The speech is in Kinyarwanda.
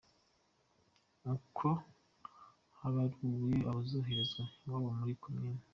Uko habaruwe abazoherezwa iwabo muri Komini